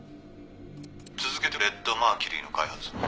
「続けてレッドマーキュリーの開発を」